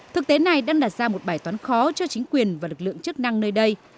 thực tế này đang đặt ra một bài toán khó cho chính quyền và lực lượng chức năng nơi đây